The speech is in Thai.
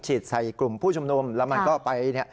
ฉีดใส่กลุ่มผู้ชมนมและมันก็ไป